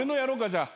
じゃあ。